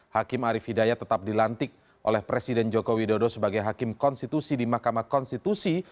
hakim arief hidayat tetap dilantik oleh presiden joko widodo sebagai hakim konstitusi di mahkamah konstitusi